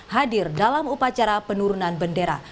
hadir dalam upacara penurunan bendera